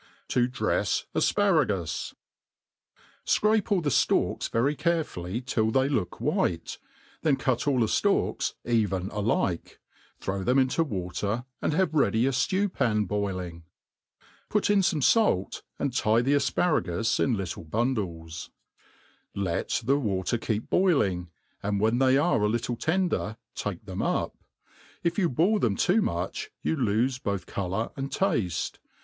/ To drefs Afparagus* SCRAPE all the ftalks very carefully till they look white, then cut all the ftalks even alike, throw them into water, and bave ready a ftew pan boiling. Put in fome fait, and tie the U afparagus %* THE ART OF COOKERY afparagus in little bundles. Let the water keep boiling, And when they are a tittle tender take them up. If you boil them too much you loofe both colour and tafte.